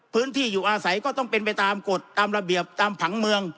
พื้นที่อยู่อาศัยก็ต้องเป็นไปตามกฎตามระเบียบตามผังเมือง